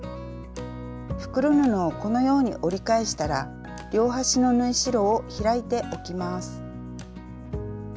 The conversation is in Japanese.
袋布をこのように折り返したら両端の縫い代を開いておきます。